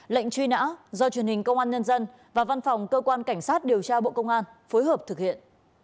lệnh truy nã do truyền hình công an nhân dân và văn phòng cơ quan cảnh sát điều tra bộ công an phối hợp thực hiện